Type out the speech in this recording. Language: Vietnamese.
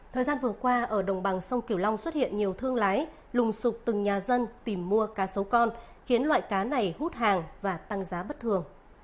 thời gian vừa qua ở đồng bằng sông kiều long xuất hiện nhiều thương lái lùng sụp từng nhà dân tìm mua cá sấu con khiến loại cá này hút hàng và tăng giá bất thường